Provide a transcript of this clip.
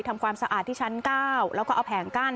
ทำความสะอาดที่ชั้น๙แล้วก็เอาแผงกั้น